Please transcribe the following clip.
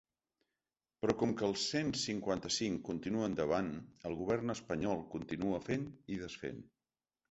Però com que el cent cinquanta-cinc continua endavant, el govern espanyol continua fent i desfent.